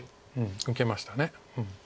受けました。